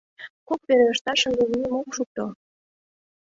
Кок вере ышташ ынде вием ок шуто.